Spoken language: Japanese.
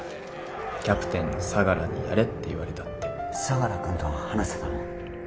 キャプテンの相良にやれって言われたって相良君とは話せたの？